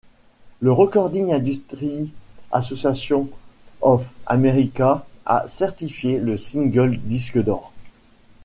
Le Recording Industry Association of America a certifié le single disque d'or.